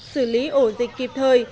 xử lý ổ dịch kịp thời